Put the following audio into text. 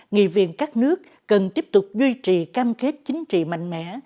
nghị viện các nước cần tiếp tục duy trì cam kết chính trị mạnh mẽ